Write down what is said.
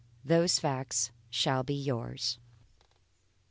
Those facts shall be yours.